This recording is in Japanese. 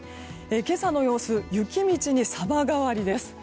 今朝の様子雪道に様変わりです。